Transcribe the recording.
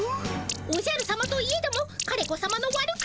おじゃるさまといえども枯れ子さまの悪口